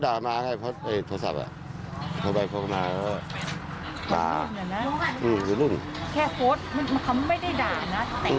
กับเหรอลูกคะแค่โพสต์มันมันไม่ได้ด่านะ